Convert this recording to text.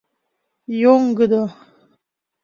Йоҥгыдо.